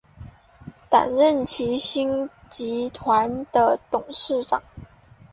担任齐星集团的董事长。